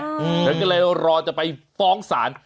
ก็เลยรอจะไปฟ้องสาร